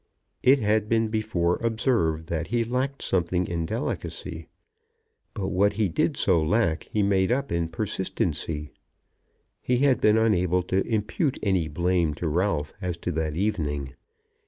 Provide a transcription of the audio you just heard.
It has been before observed that he lacked something in delicacy, but what he did so lack he made up in persistency. He had been unable to impute any blame to Ralph as to that evening.